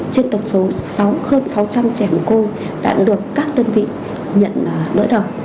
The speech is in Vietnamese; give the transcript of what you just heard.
trên tổng số hơn sáu trăm linh trẻ mồ côi đã được các đơn vị nhận đỡ đầu